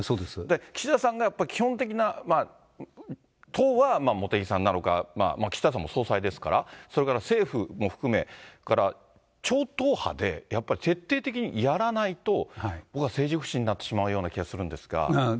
岸田さんが基本的な、党は茂木さんなのか、岸田さんも総裁ですから、それから政府も含め、それから超党派で、やっぱり徹底的にやらないと、僕は政治不信になってしまうような気がするんですが。